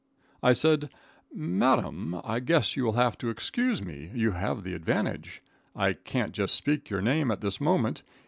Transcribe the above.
I said: "Madam, I guess you will have to excuse me. You have the advantage. I can't just speak your name at this moment.